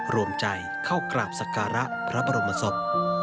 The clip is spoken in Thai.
รวมใจเข้ากราบสการะพระบรมศพ